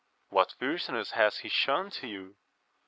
What fierceness hath he shewn to you